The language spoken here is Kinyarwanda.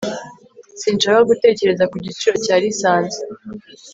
sinshaka gutekereza ku giciro cya lisansi